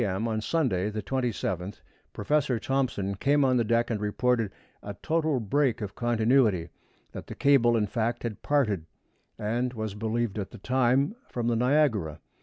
M. on Sunday, the 27th, Professor Thomson came on deck and reported a total break of continuity; that the cable, in fact, had parted, and as was believed at the time, from the Niagara.